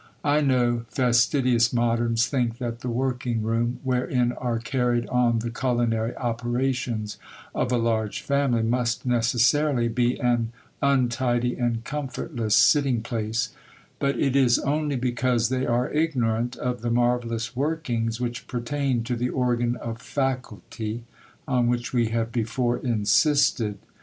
I know fastidious moderns think that the working room, wherein are carried on the culinary operations of a large family, must necessarily be an untidy and comfortless sitting place; but it is only because they are ignorant of the marvellous workings which pertain to the organ of 'faculty,' on which we have before insisted.